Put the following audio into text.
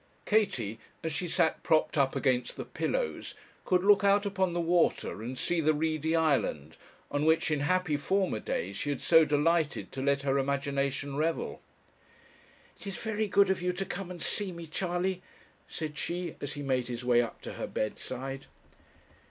Katie, as she sat propped up against the pillows, could look out upon the water and see the reedy island, on which in happy former days she had so delighted to let her imagination revel. 'It is very good of you to come and see me, Charley,' said she, as he made his way up to her bedside.